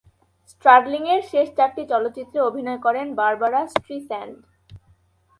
স্ট্রাডলিংয়ের শেষ চারটি চলচ্চিত্রে অভিনয় করেন বারবারা স্ট্রিস্যান্ড।